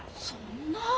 そんな。